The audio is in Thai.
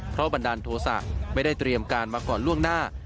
เพราะบันดาลโทษะไม่ได้เตรียมการมาก่อนล่วงหน้า